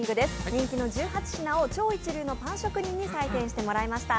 人気の１８品を超一流パン職人に採点してもらいました。